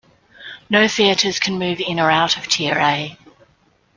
No theaters can move in or out of Tier "A".